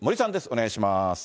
お願いします。